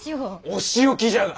お仕置きじゃが。